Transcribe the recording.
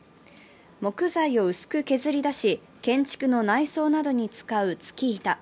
木材を薄く削り出し建築の内装などに使うツキ板。